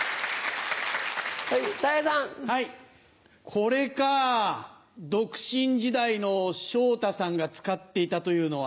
これか独身時代の昇太さんが使っていたというのは。